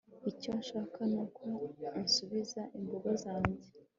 icyo nshaka nuko unsubiza imboga zanjye